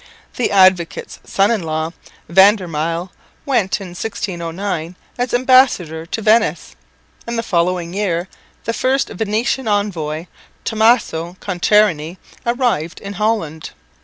The Advocate's son in law, Van der Myle, went in 1609 as ambassador to Venice; and the following year the first Venetian envoy, Tommaso Contarini, arrived in Holland.